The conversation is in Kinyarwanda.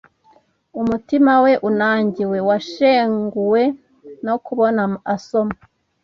Umutima we unangiwe washenguwe no kubona asoma